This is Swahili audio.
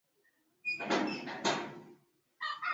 Chamisa alisema chama chake hakitaki kupigana na watu.